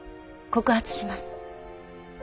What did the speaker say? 告発します。